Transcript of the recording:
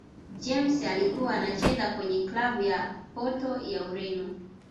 james alikuwa anacheza kwenye klabu ya porto ya ureno